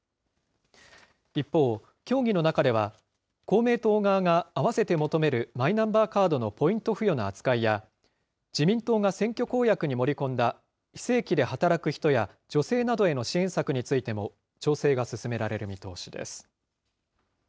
一方、協議の中では公明党側が併せて求めるマイナンバーカードのポイント付与の扱いや、自民党が選挙公約に盛り込んだ、非正規で働く人や女性などへの支援策についても、調整が進められる見通しです。